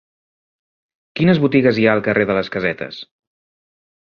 Quines botigues hi ha al carrer de les Casetes?